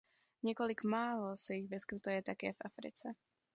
Několik málo se jich vyskytuje také v Africe.